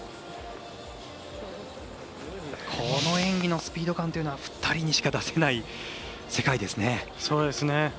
この演技のスピード感というのは２人しか出せない世界ですね。